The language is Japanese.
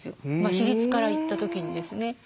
比率から言った時にですね。